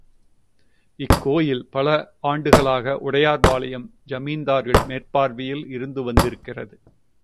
இக்கோயில் பல வருஷங்களாக உடையார்பாளையம் ஜமீன்தார்கள் மேற்பார்வையில் இருந்து வந்திருக்கிறது.